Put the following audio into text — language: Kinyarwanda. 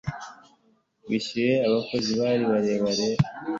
rwishyuye abakozi bari barakoze